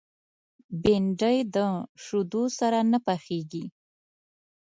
بېنډۍ د شیدو سره نه پخېږي